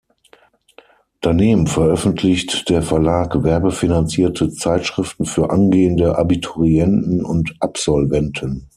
Daneben veröffentlicht der Verlag werbefinanzierte Zeitschriften für angehende Abiturienten und Absolventen.